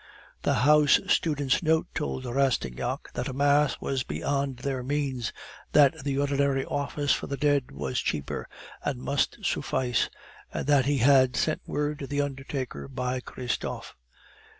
The house student's note told Rastignac that a mass was beyond their means, that the ordinary office for the dead was cheaper, and must suffice, and that he had sent word to the undertaker by Christophe.